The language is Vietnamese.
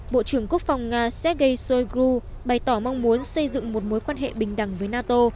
bộ trưởng quốc phòng nga sergei shoigru bày tỏ mong muốn xây dựng một mối quan hệ bình đẳng với nato